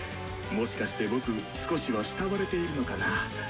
もしかして僕少しは慕われているのかなぁ。